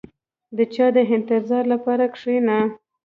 • د چا د انتظار لپاره کښېنه.